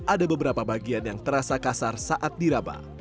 ada beberapa bagian yang terasa kasar saat diraba